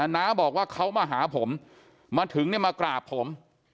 น้าบอกว่าเขามาหาผมมาถึงเนี่ยมากราบผม